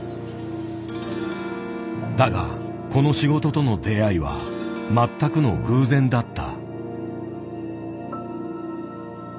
だがこの仕事との出会いは全くの偶然だった。